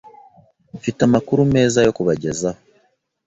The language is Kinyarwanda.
Mfite amakuru meza yo kubagezaho.